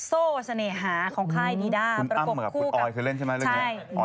คุณอ้ำเหมือนกับคุณอ๋อยเคยเล่นใช่ไหม